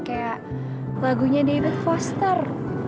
kayak lagunya david foster